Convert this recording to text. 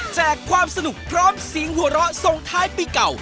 แจกความสนุกพร้อมเสียงหัวเราะส่งท้ายปีเก่า